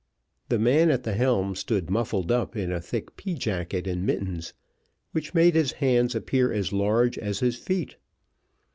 The man at the helm stood muffled up in a thick pea jacket and mittens, which made his hands appear as large as his feet.